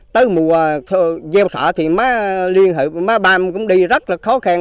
từ mùa gieo xả thì máy liên hợp máy băm cũng đi rất là khó khăn